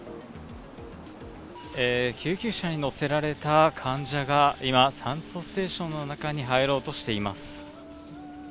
救急車に乗せられた患者が今、酸素ステーションの中に入ろうとしています。